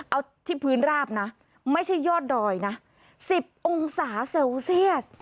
เอาที่พื้นราบนะไม่ใช่ยอดดอยนะ๑๐องศาเซลเซียส